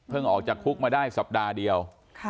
ออกจากคุกมาได้สัปดาห์เดียว